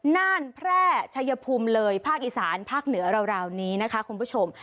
น่านแพร่ชัยภูมิเลยภาคอีสานภาคเหนือราวนี้นะคะคุณผู้ชม